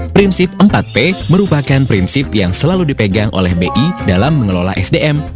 prinsip empat p merupakan prinsip yang selalu dipegang oleh bi dalam mengelola sdm